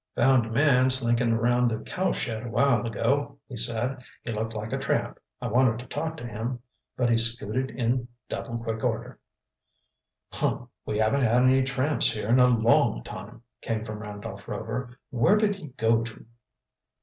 "Found a man slinking around the cow shed a while ago," he said. "He looked like a tramp. I wanted to talk to him, but he scooted in double quick order." "Humph! We haven't had any tramps here in a long time," came from Randolph Rover. "Where did he go to?"